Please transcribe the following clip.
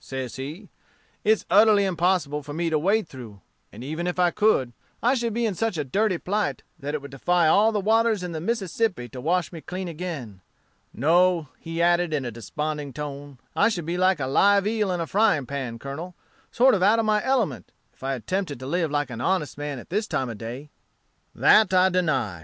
says he: 'it's utterly impossible for me to wade through; and even if I could, I should be in such a dirty plight, that it would defy all the waters in the Mississippi to wash me clean again. No,' he added in a desponding tone, 'I should be like a live eel in a frying pan, Colonel, sort of out of my element, if I attempted to live like an honest man at this time o' day.' "'That I deny.